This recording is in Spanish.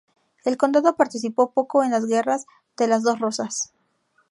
El condado participó poco en la Guerras de las Dos Rosas.